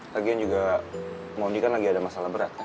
lagian juga mondi kan lagi ada masalah berat kan